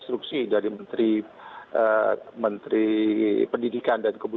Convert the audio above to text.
pertama saya ingin berterima kasih kepada pak ibu